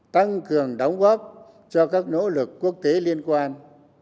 tăng cường đóng góp cho các nỗ lực quốc tế liên quan